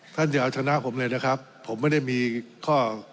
อย่าเอาชนะผมเลยนะครับผมไม่ได้มีข้อ